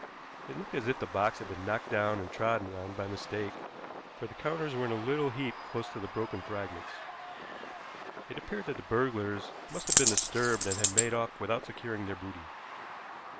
It looked as if the box had been knocked down and trodden on by mistake, for the counters were in a little heap close to the broken fragments. It appeared that the burglars must have been disturbed and had made off without securing their booty.